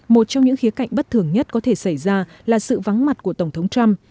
một trong những khía cạnh bất thường nhất có thể xảy ra là sự vắng mặt của tổng thống trump